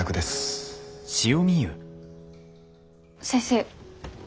先生。